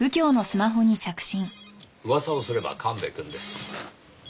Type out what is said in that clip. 噂をすれば神戸くんです。